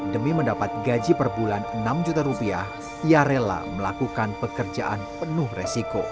demi mendapat gaji per bulan enam juta rupiah ia rela melakukan pekerjaan penuh resiko